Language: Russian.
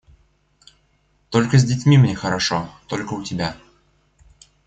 Только с детьми мне хорошо, только у тебя.